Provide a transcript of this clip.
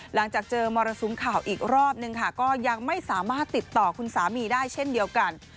หลังจากเจอมรสุมข่าวอีกรอบนึงค่ะก็ยังไม่สามารถติดต่อคุณสามีได้เช่นเดียวกัน